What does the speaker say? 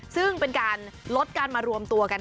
ซึ่งเป็นการลดการมารวมตัวกัน